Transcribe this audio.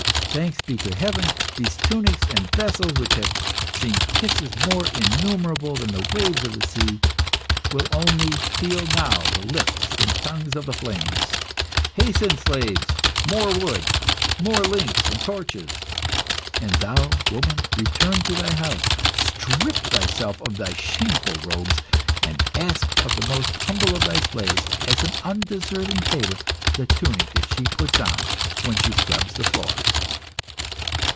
Thanks be to Heaven, these tunics and veils, which have seen kisses more innumerable than the waves of the sea, will only feel now the lips and tongues of the flames. Hasten, slaves! More wood! More links and torches! And thou, woman, return to thy house, strip thyself of thy shameful robes, and ask of the most humble of thy slaves, as an undeserving favour, the tunic that she puts on when she scrubs the floors."